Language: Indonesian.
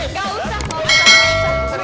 gak usah mau